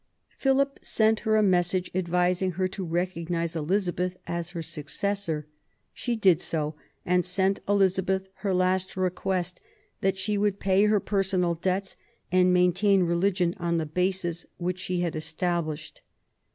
Philip sent her a message advising her to recognise Eliza beth as her successor. She did so, and sent Elizabeth her last request that she would pay her personal debts, and maintain religion on the basis which she had established.